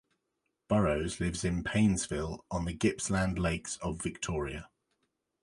Burrows lives in Paynesville on the Gippsland Lakes of Victoria.